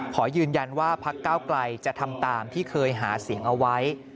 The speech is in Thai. ขอยืนยันว่าพักเก้าไกลจะทำตามที่เคยหาเสียงเอาไว้